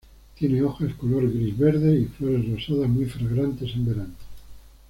Tiene hojas color gris-verde y flores rosadas muy fragantes en verano.